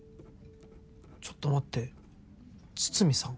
ちょっと待って筒見さん？